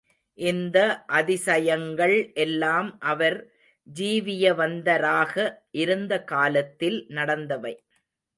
இந்த அதிசயங்கள் எல்லாம் அவர் ஜீவியவந்தராக இருந்த காலத்தில் நடந்தவை.